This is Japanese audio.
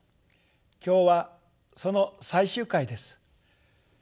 今日はその最終回です。